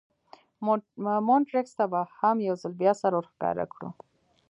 مونټریکس ته به هم یو ځل بیا سر ور ښکاره کړو.